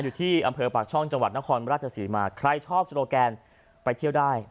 อยู่ที่อำเภอปากช่องจังหวัดนครราชศรีมาใครชอบโซโลแกนไปเที่ยวได้